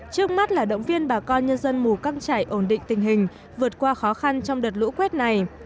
trước mắt là động viên bà con nhân dân mù căng trải ổn định tình hình vượt qua khó khăn trong đợt lũ quét này